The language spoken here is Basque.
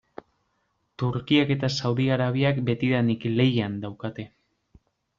Turkiak eta Saudi Arabiak betidanik lehian daukate.